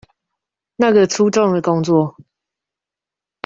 那個粗重的工作